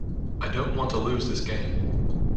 I don't want to lose this game.